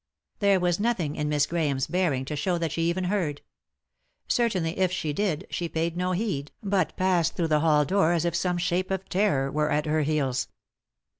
There was nothing in Miss Grahame's bearing to show that she even heard. Certainly, if she did, she paid no heed, but passed through the hall door as if some shape of terror were at her heels.